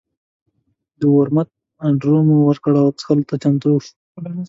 د ورموت اډر مو ورکړ او څښلو ته چمتو شول.